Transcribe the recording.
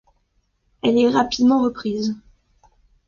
Elle est rapidement reprise.